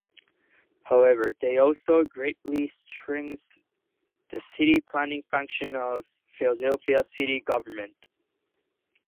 However, they also greatly strengthened the city planning function of Philadelphia city government.